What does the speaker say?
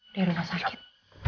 di rumah sakit